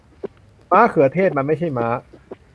ม้าเขือเทศ มันไม่ใช่ม้า